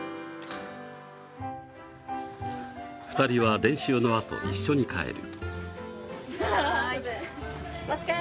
２人は練習のあと一緒に帰る。